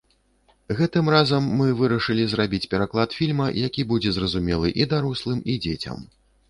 Гэтым разам мы вырашылі зрабіць пераклад фільма, які будзе зразумелы і дарослым, і дзецям.